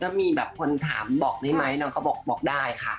แล้วมีแบบคนถามบอกได้ไหมนางก็บอกได้ค่ะ